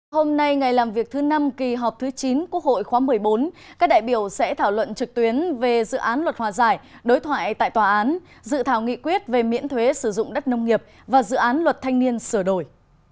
hôm nay ngày làm việc thứ năm kỳ họp thứ chín quốc hội khóa một mươi bốn các đại biểu sẽ thảo luận trực tuyến về dự án luật hòa giải đối thoại tại tòa án dự thảo nghị quyết về miễn thuế sử dụng đất nông nghiệp và dự án luật thanh niên sửa đổi